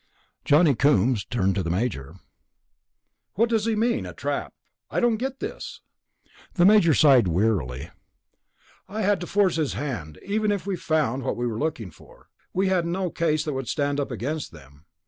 Johnny Coombs turned on the Major. "What does he mean, a trap? I don't get this...." The Major sighed wearily. "I had to try to force his hand. Even if we found what we were looking for, we had no case that could stand up against them.